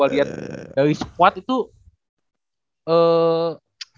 jadi kalau mereka main segi kompetitan mereka